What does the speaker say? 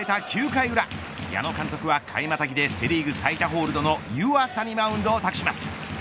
９回裏矢野監督は回またぎでセ・リーグタイ、最多ホールドの湯浅にマウンドを託します。